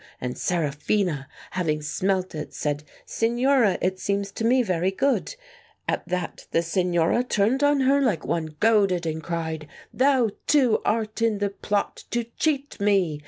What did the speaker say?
And Seraphina, having smelt it, said, ' Signora, it seems to me very good.' At that the Signora turned on her like one goaded and cried—' Thou too art in the plot to cheat me